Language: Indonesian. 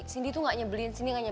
sindi tuh gak nyebelin